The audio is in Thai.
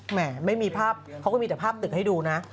แหมไม่มีภาพเขาก็มีแต่ภาพตึกให้ดูนะ